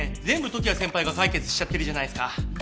全部時矢先輩が解決しちゃってるじゃないですか。